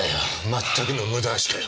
全くの無駄足かよ。